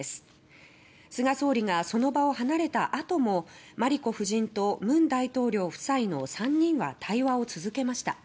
菅総理がその場を離れたあとも真理子夫人と文大統領夫妻の３人は対話を続けました。